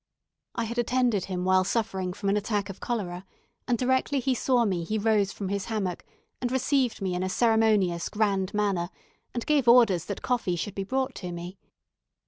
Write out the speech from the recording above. I had attended him while suffering from an attack of cholera, and directly he saw me he rose from his hammock, and received me in a ceremonious, grand manner, and gave orders that coffee should be brought to me.